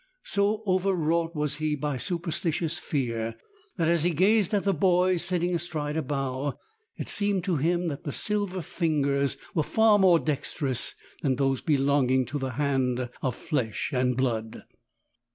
So overwrought was he by superstitious fear that as he gazed at the boy sitting astride a bough, it seemed to him that the silver fingers were far more dexterous than those belonging to the hand of flesh and blood.